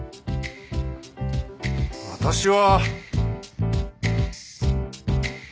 私は。